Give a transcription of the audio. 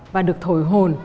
và được thổi hồn